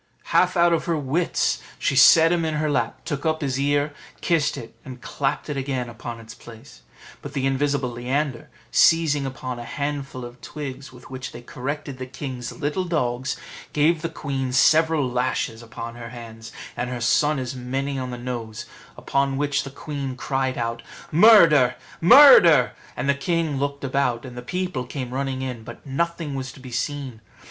Half out of her wits, she set him in her lap, took up his ear, kissed it, and clapped it again upon its place; but the invisible Leander, seizing upon a handful of twigs, with which they corrected the king's little dogs, gave the queen several lashes upon her hands, and her son as many on the nose: upon which the queen cried out, "Murder! murder!" and the king looked about, and the people came running in; but nothing was to be seen.